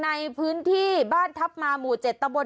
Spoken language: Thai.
ในพื้นที่บ้านทัพมาหมู่๗ตะบน